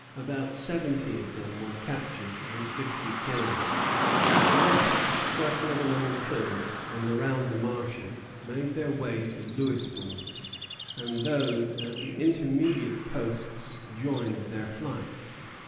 About seventy of them were captured and fifty killed. The rest, circling among the hills and around the marshes, made their way to Louisbourg, and those at the intermediate posts joined their flight.